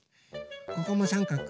ここもさんかく。